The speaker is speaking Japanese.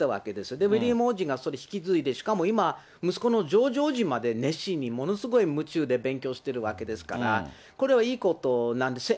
でもウィリアム王子が引き継いで、しかも今、息子のジョージ王子まで熱心にものすごい夢中で勉強してるわけですから、これはいいことなんですね。